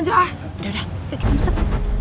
yaudah kita masuk